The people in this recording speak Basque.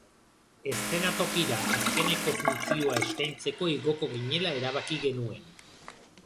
Eszenatokira azkeneko funtzioa eskaintzeko igoko ginela erabaki genuen.